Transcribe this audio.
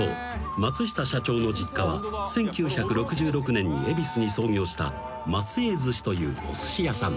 松下社長の実家は１９６６年に恵比寿に創業した松栄寿司というおすし屋さん］